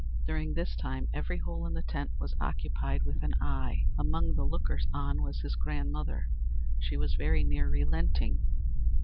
During this time every hole in the tent was occupied with an eye. Among the lookers on was his grandmother. She was very near relenting.